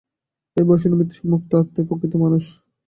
এই ভয়শূন্য, মৃত্যুহীন, মুক্ত আত্মাই প্রকৃত মানুষ।